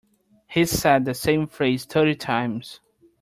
He said the same phrase thirty times.